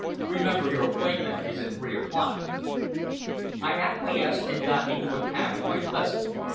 Remember your appointment is at three o'clock." I acquiesced, and got into a cab with my cousin.